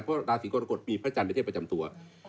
เพราะราศีกรกฎมีพระจันทร์ในเทพประจำตัว